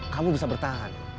kamu bisa bertahan